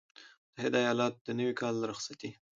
متحده ایالات - د نوي کال رخصتي